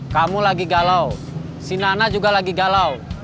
kamu lagi galau si nana juga lagi galau